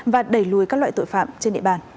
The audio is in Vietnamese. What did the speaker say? và đẩy lùi các loại tội phạm trên địa bàn